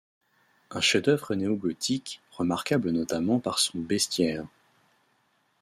Un chef-d’œuvre néogothique, remarquable notamment par son bestiaire.